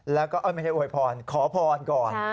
ไม่ใช่อวยพรขอพรก่อน